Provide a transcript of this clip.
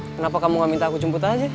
kenapa kamu gak minta aku jemput aja